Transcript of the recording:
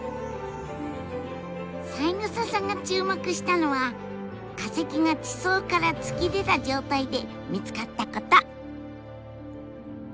三枝さんが注目したのは化石が地層から突き出た状態で見つかったこと！